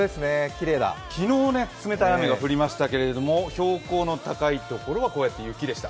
昨日、冷たい雨が降りましたけれども標高の高いところはこうやって雪でした。